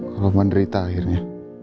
kalau menderita akhirnya